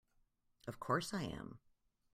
Of course I am!